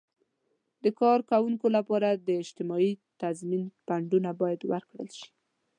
د کارکوونکو لپاره د اجتماعي تضمین فنډونه باید ورکړل شي.